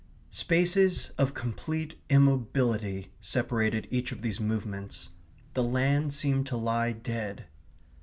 Spaces of complete immobility separated each of these movements. The land seemed to lie dead